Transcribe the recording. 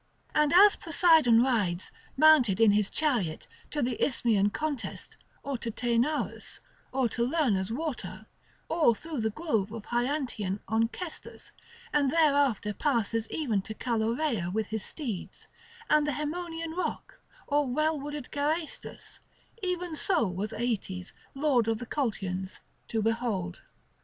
And as Poseidon rides, mounted in his chariot, to the Isthmian contest or to Taenarus, or to Lerna's water, or through the grove of Hyantian Onchestus, and thereafter passes even to Calaureia with his steeds, and the Haemonian rock, or well wooded Geraestus; even so was Aeetes, lord of the Colchians, to behold.